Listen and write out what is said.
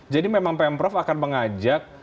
jadi memang pemprov akan mengajak